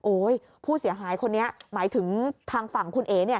โอ๊ยผู้เสียหายคนนี้หมายถึงทางฝั่งคุณเอ๋เนี่ย